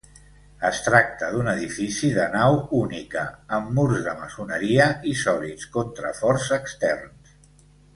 Es tracta d'un edifici de nau única, amb murs de maçoneria i sòlids contraforts externs.